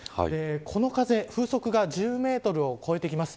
この風、風速が１０メートルを超えてきます。